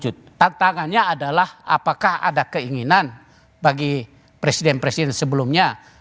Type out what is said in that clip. tantangannya adalah apakah ada keinginan bagi presiden presiden sebelumnya